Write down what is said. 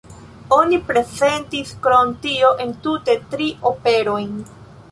Oni prezentis krom tio entute tri operojn.